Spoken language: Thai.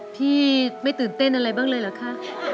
พี่ไม่ตื่นเต้นอะไรบ้างเลยเหรอคะ